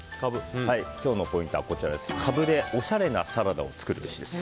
今日のポイントはカブでおしゃれなサラダを作るべしです。